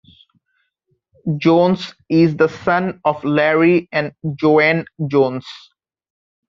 Jones is the son of Larry and Joanne Jones.